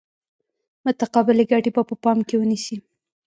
متقابلې ګټې به په پام کې ونیسي.